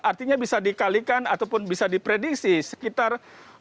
artinya bisa dikalikan ataupun bisa diprediksi sekitar